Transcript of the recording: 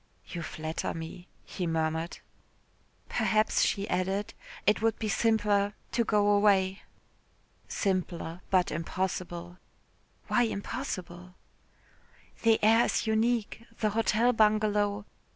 "You flatter me," he murmured. "Perhaps," she added, "it would be simpler to go away." "Simpler but impossible." "Why impossible?" "The air is unique. The Hotel Bungalow...."